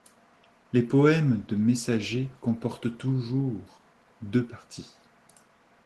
Les poèmes de messagers comportent toujours deux parties.